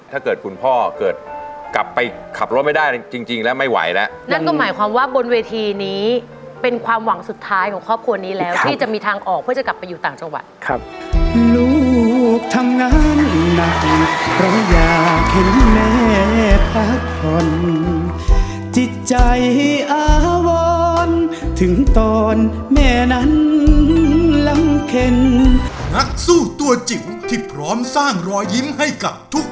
ถ้าเกิดคุณพ่อเกิดกลับไปขับรถไม่ได้จริงแล้วไม่ไหวก็หมายความว่าบนเวทีนี้เป็นความหวังสุดท้ายของครอบครัวนี้แล้วที่จะมีทางออกเพื่อจะกลับไปอยู่ต่างจังหวัดครับ